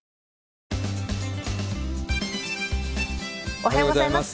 おはようございます。